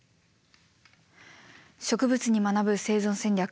「植物に学ぶ生存戦略」。